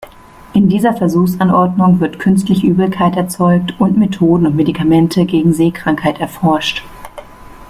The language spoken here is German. In dieser Versuchsanordnung wird künstlich Übelkeit erzeugt und Methoden und Medikamente gegen Seekrankheit erforscht.